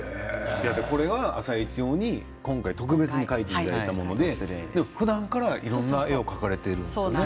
これは「あさイチ」用に今回特別に描いてくれたものでふだんからいろいろな絵を描いているんですよね。